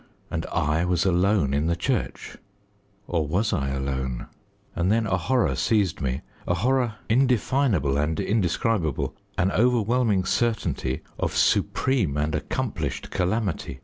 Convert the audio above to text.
And I was alone in the church; or was I alone? And then a horror seized me, a horror indefinable and indescribable an overwhelming certainty of supreme and accomplished calamity.